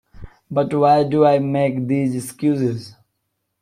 But why do I make these excuses?